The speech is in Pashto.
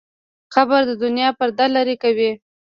قبر د دنیا پرده لرې کوي.